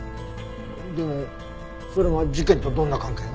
でもそれが事件とどんな関係が？